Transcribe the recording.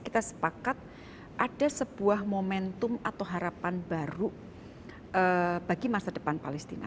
kita sepakat ada sebuah momentum atau harapan baru bagi masa depan palestina